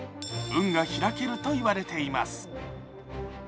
運が開けるといわれています。